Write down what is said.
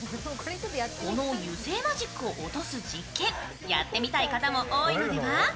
油性マジックを落とす実験、やってみたい方も多いのでは？